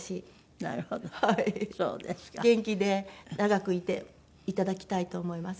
元気で長くいていただきたいと思います。